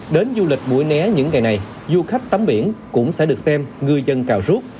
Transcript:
đến du lịch buổi né những ngày này du khách tắm biển cũng sẽ được xem ngư dân cào rút